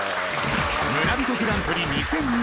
村人グランプリ２０２２